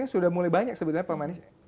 ya udah mulai banyak sebenarnya pemain